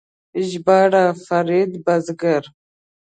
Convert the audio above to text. ژباړ: فرید بزګر